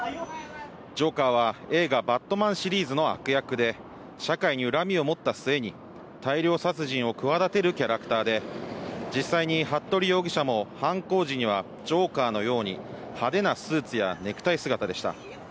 ジョーカーは映画バットマンシリーズの悪役で社会に恨みを持った末に大量殺人を企てるキャラクターで、実際に服部容疑者も犯行時にはジョーカーのように派手なスーツやネクタイ姿でした。